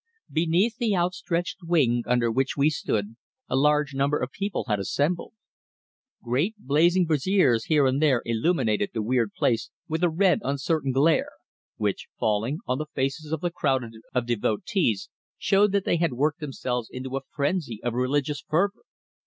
Beneath the outstretched wing under which we stood a large number of people had assembled. Great blazing braziers here and there illuminated the weird place with a red uncertain glare, which falling on the faces of the crowd of devotees, showed that they had worked themselves into a frenzy of religious fervour.